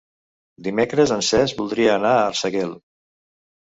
Dimecres en Cesc voldria anar a Arsèguel.